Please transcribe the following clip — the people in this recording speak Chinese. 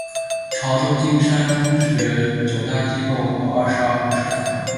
潮州金山中学九大机构和二十二个社团。